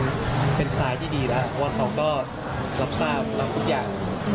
มันเป็นทรายที่ดีแล้วเพราะว่าเขาก็รับทราบรับทุกอย่าง